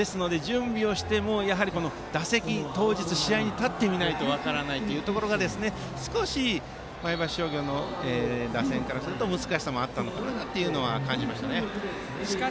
ですので準備をしても当日、試合で打席に立ってみないと分からないところが少し、前橋商業の打線からすると難しさもあったのかなと感じましたね。